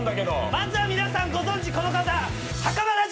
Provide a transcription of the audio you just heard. まずは皆さんご存じこの方袴田淳。